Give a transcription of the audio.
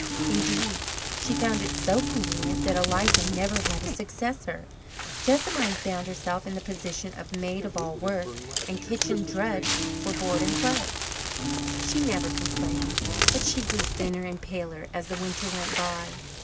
Indeed, she found it so convenient that Eliza never had a successor. Jessamine found herself in the position of maid of all work and kitchen drudge for board and clothes. She never complained, but she grew thinner and paler as the winter went by.